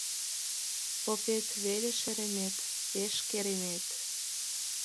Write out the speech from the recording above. Попет веле шеремет, Пеш керемет!..